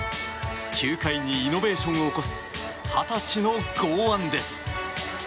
球界にイノベーションを起こす二十歳の剛腕です。